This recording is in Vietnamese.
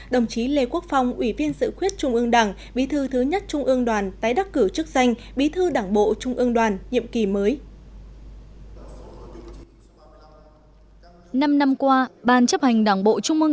đồng chí lê quốc phong ủy viên sự khuyết trung ương đảng bí thư thứ nhất trung ương đoàn tái đắc cử chức danh bí thư đảng bộ trung ương đoàn nhiệm kỳ mới